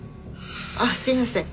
あっすいません。